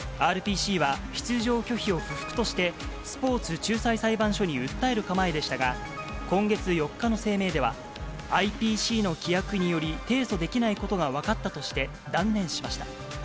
ＲＰＣは、出場拒否を不服として、スポーツ仲裁裁判所に訴える構えでしたが、今月４日の声明では、ＩＰＣの規約により、提訴できないことが分かったとして、断念しました。